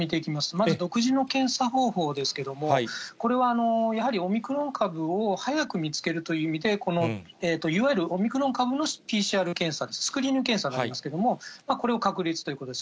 まず独自の検査方法ですけれども、これはやはりオミクロン株を早く見つけるという意味で、いわゆるオミクロン株のＰＣＲ検査です、スクリーニング検査となりますが、これを確立ということです。